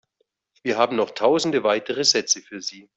Wir haben noch tausende weitere Sätze für Sie.